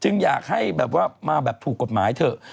อยากให้แบบว่ามาแบบถูกกฎหมายเถอะ